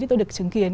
tôi được chứng kiến